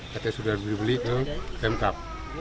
katanya sudah dibeli ke pemkap